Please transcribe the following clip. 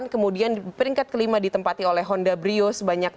kemudian di peringkat kelima ditempati oleh honda brio sebanyak tiga puluh sembilan